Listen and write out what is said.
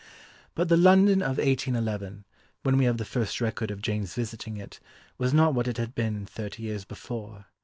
But the London of 1811, when we have the first record of Jane's visiting it, was not what it had been thirty years before.